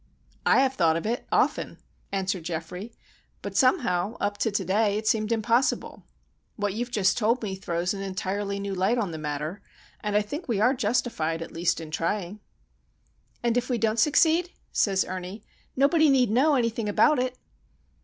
"I have thought of it, often," answered Geoffrey; "but somehow, up to to day, it seemed impossible. What you've just told me throws an entirely new light on the matter, and I think we are justified at least in trying." "And if we don't succeed," says Ernie, "nobody need know anything about it."